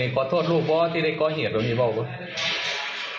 ขอโทษลูกเพราะที่ได้ก้อเหียดลงนี้บ้าง